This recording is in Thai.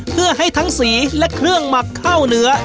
เพื่อให้ทั้งสีและเครื่องหมักเข้าเนื้อ